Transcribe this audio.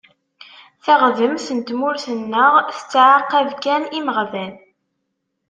Taɣdemt n tmurt-nneɣ tettɛaqab kan imeɣban.